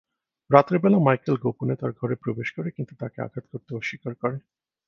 রাতের বেলা মাইকেল গোপনে তার ঘরে প্রবেশ করে, কিন্তু তাকে আঘাত করতে অস্বীকার করে।